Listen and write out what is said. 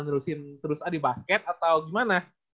nerusin terus a di basket atau gimana